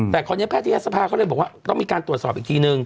แต่คราวนี้แพทยศภาเขาเลยบอกว่าต้องมีการตรวจสอบอีกทีนึง